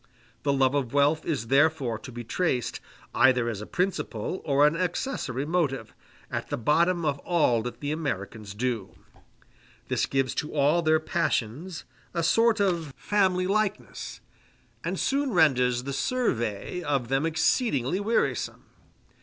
The love of wealth is therefore to be traced, either as a principal or an accessory motive, at the bottom of all that the Americans do: this gives to all their passions a sort of family likeness, and soon renders the survey of them exceedingly wearisome.